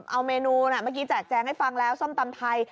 เอาเมนูเมื่อกี้แจกแจงให้ฟังแล้วส้มตำไทย